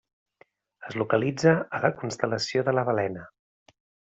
Es localitza a la Constel·lació de la Balena.